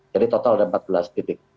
jadi total ada empat belas titik